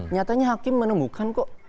nyatanya hakim menemukan kok